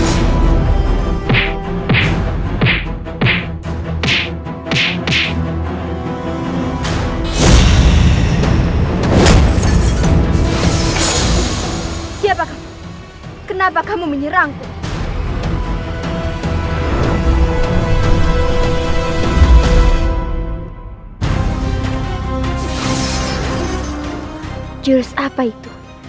siapa kamu kenapa kamu menyerangku